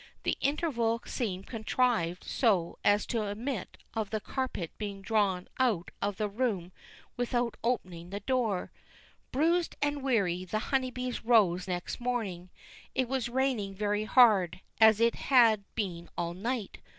The interval seemed contrived so as to admit of the carpet being drawn out of the room without opening the door. Bruised and weary, the Honeybees rose next morning. It was raining very hard, as it had been all night.